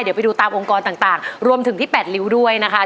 เดี๋ยวไปดูตามองค์กรต่างรวมถึงที่๘ริ้วด้วยนะคะ